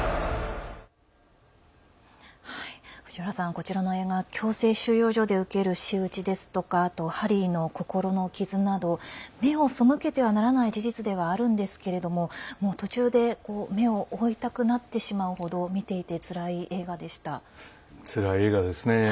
こちらの映画強制収容所で受ける仕打ちですやハリーの心の傷など目を背けてはならない真実ではあるんですけれども途中で目を覆いたくなってしまう程つらい映画ですね。